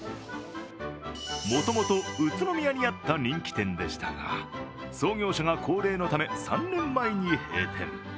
もともと宇都宮にあった人気店でしたが創業者が高齢のため３年前に閉店。